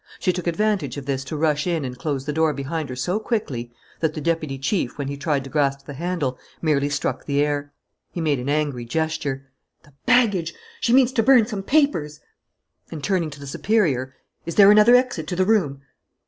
She took advantage of this to rush in and close the door behind her so quickly that the deputy chief, when he tried to grasp the handle, merely struck the air. He made an angry gesture: "The baggage! She means to burn some papers!" And, turning to the superior: "Is there another exit to the room?"